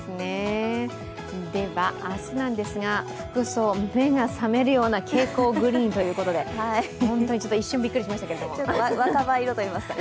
では明日なんですが、服装、目の覚めるような蛍光グリーンということで本当に一瞬びっくりしましたけども。